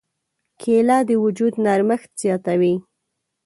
کېله د وجود نرمښت زیاتوي.